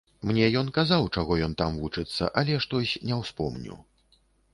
Мне ён казаў, чаго ён там вучыцца, але штось не ўспомню.